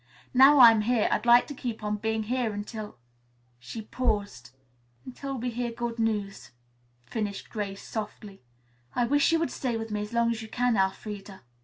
"Now I am here, I'd like to keep on being here until " She paused. "Until we hear good news," finished Grace softly. "I wish you would stay with me as long as you can, Elfreda.